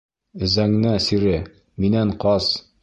Зәңнә сире, минән ҡас!